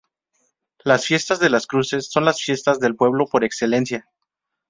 Las fiestas de las cruces son las fiestas del pueblo por excelencia.